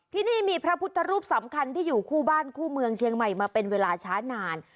ที่นี่มีพระพุทธรูปสำคัญที่อยู่คู่บ้านคู่เมืองเชียงใหม่มาเป็นเวลาช้านาน